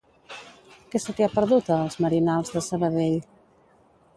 Què se t'hi ha perdut, a Els Merinals de Sabadell?